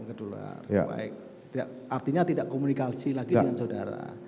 artinya tidak komunikasi lagi dengan saudara